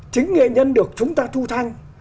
chính nghệ nhân được chúng ta thu thanh